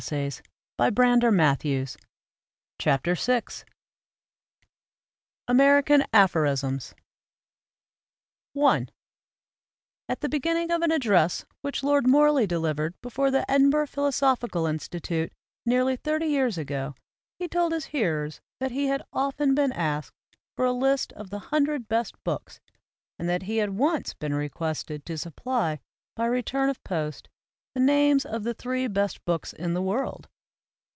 (January, 1920.) VI AMERICAN APHORISMS VI AMERICAN APHORISMS AT the beginning of an address which Lord Morley delivered before the Edinburgh Philosophical Institute nearly thirty years ago he told his hearers that he had often been asked for a list of the hundred best books and that he had once been requested to supply by return of post the names of the three best books in the world.